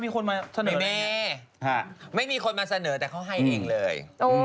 ไม่ไม่มีคนมาเสนอแต่เขาให้เองเลย